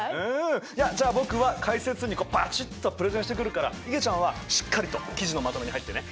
じゃあ僕は解説委員にバチッとプレゼンしてくるからいげちゃんはしっかりと記事のまとめに入ってね。